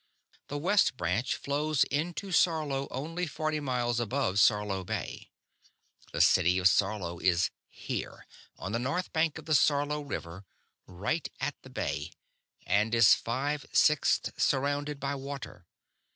"The West Branch flows into Sarlo only forty miles above Sarlo Bay. The city of Sarlo is here, on the north bank of the Sarlo River, right on the Bay, and is five sixths surrounded by water.